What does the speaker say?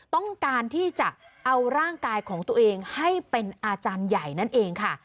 ต้องการที่จะเอาร่างกายของตัวเองให้เป็นอาจารย์ใหญ่นั่นเองค่ะ